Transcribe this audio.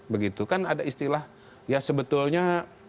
begitu kan ada istilah ya sebetulnya